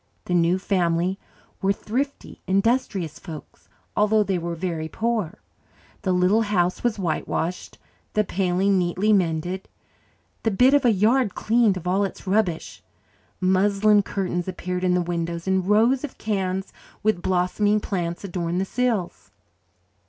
The new family were thrifty, industrious folks, although they were very poor. The little house was white washed, the paling neatly mended, the bit of a yard cleaned of all its rubbish. Muslin curtains appeared in the windows, and rows of cans, with blossoming plants, adorned the sills.